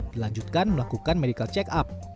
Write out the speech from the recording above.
dilanjutkan melakukan medical check up